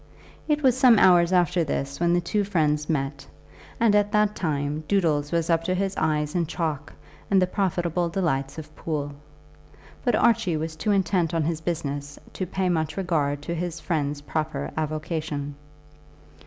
It was some hours after this when the two friends met, and at that time Doodles was up to his eyes in chalk and the profitable delights of pool. But Archie was too intent on his business to pay much regard to his friend's proper avocation.